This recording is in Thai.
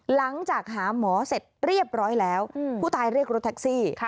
หลังจากหาหมอเสร็จเรียบร้อยแล้วผู้ตายเรียกรถแท็กซี่